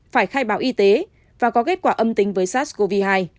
phải khai báo y tế và có kết quả âm tính với sars cov hai